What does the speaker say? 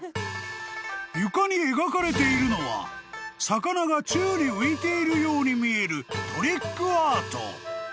［床に描かれているのは魚が宙に浮いているように見えるトリックアート］